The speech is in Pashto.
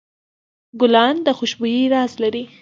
ګلان د خوشبویۍ راز لري.